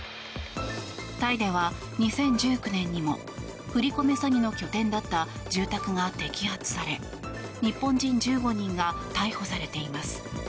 タイでは２０１９年にも振り込め詐欺の拠点だった住宅が摘発され日本人１５人が逮捕されています。